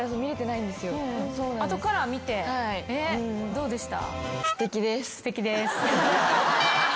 どうでした？